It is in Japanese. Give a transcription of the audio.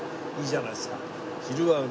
いいじゃないですか。